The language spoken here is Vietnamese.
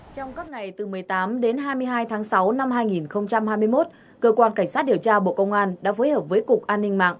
trong các ngày từ một mươi tám đến hai mươi hai tháng sáu năm hai nghìn hai mươi một cơ quan cảnh sát điều tra bộ công an đã phối hợp với cục an ninh mạng